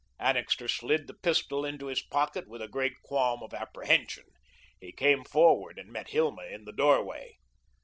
Annixter slid the pistol into his pocket with a great qualm of apprehension. He came forward and met Hilma in the doorway.